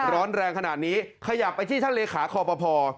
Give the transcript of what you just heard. ร้อนแรงขนาดนี้ขยับไปที่ท่านเลขาคอปภ